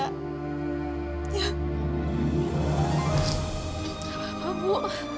gak apa apa bu